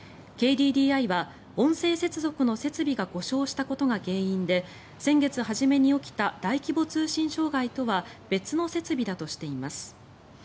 ＫＤＤＩは音声接続の設備が故障したことが原因で先月初めに起きた大規模通信障害とは別の設備だとしています。